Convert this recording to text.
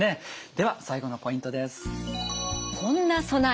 では最後のポイントです。